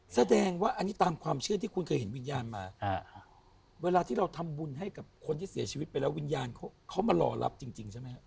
แสดงว่าอันนี้ตามความเชื่อที่คุณเคยเห็นวิญญาณมาเวลาที่เราทำบุญให้กับคนที่เสียชีวิตไปแล้ววิญญาณเขามารอรับจริงใช่ไหมครับ